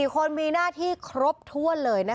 ๔คนมีหน้าที่ครบถ้วนเลย